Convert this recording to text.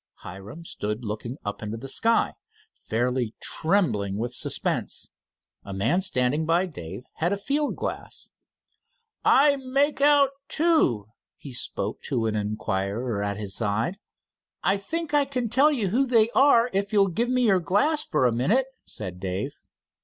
Hiram stood looking up into the sky, fairly trembling with suspense. A man standing by Dave had a field glass. "I make out two," he spoke to an inquirer at his side. "I think I can tell you who they are if you'll give me your glass for a minute," said Dave.